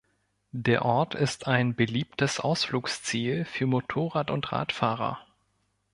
Der Ort ist ein beliebtes Ausflugsziel für Motorrad- und Radfahrer.